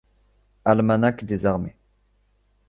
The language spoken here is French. Almanachs des armées.